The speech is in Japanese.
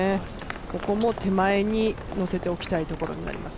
ここも手前に乗せておきたいところになります。